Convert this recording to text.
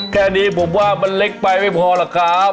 แค่นี้ผมว่ามันเล็กไปไม่พอหรอกครับ